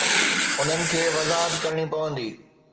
انهن کي وضاحت ڪرڻي پوندي.